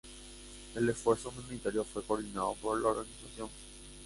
El esfuerzo humanitario fue coordinado por la organización.